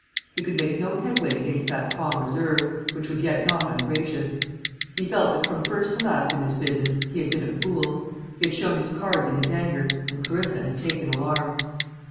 He could make no headway against that calm reserve, which was yet not ungracious. He felt that from first to last in this business he had been a fool. He had shown his cards in his anger, and Clarissa had taken alarm.